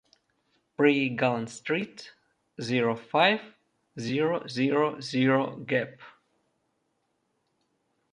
Pré Galland Street, zero five, zero zero zero Gap.